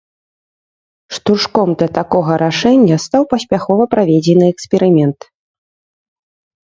Штуршком для такога рашэння стаў паспяхова праведзены эксперымент.